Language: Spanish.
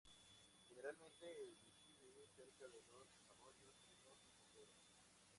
Generalmente elige vivir cerca de los arroyos y los oteros.